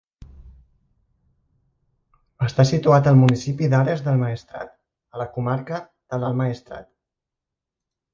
Està situat al municipi d'Ares del Maestrat, a la comarca de l'Alt Maestrat.